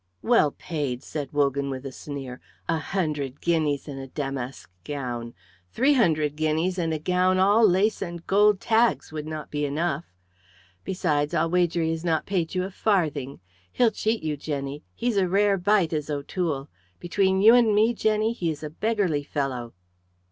"Well paid!" said Wogan, with a sneer. "A hundred guineas and a damask gown! Three hundred guineas and a gown all lace and gold tags would not be enough. Besides, I'll wager he has not paid you a farthing. He'll cheat you, Jenny. He's a rare bite is O'Toole. Between you and me, Jenny, he is a beggarly fellow!"